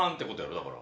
だから。